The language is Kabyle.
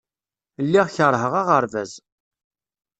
Lliɣ keṛheɣ aɣerbaz.